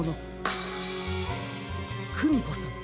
クミコさん